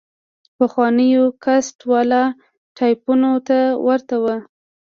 پخوانيو کسټ والا ټايپونو ته ورته وه.